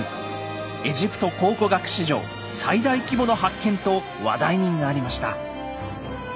エジプト考古学史上最大規模の発見と話題になりました。